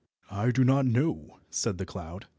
"I do not know," said the cloud.